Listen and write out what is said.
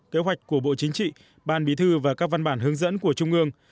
kế hoạch của bộ chính trị ban bí thư và các văn bản hướng dẫn của trung ương